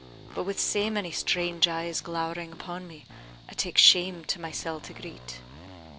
But with sae many strange eyes glowering upon me, I tak' shame to mysel' to greet."